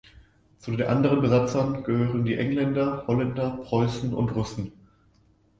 Zu den anderen Besatzern gehören die Engländer, Holländer, Preußen und Russen.